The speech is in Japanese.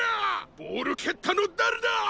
ボールけったのだれだ！？